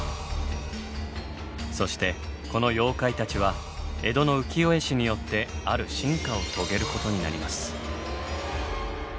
そしてこの妖怪たちは江戸の浮世絵師によってある進化を遂げることになります。